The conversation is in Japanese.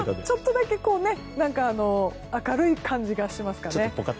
ちょっとだけ明るい感じがしますかね。